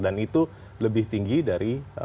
dan itu lebih tinggi dari